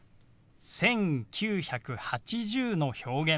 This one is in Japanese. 「１９８０」の表現